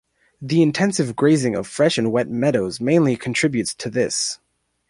The intensive grazing of fresh and wet meadows mainly contributes to this.